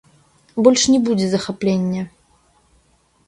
Больш не будзе захаплення.